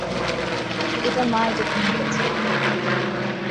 এটার মা এটাকে নিয়ে গেছে।